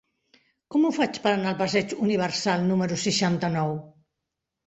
Com ho faig per anar al passeig Universal número seixanta-nou?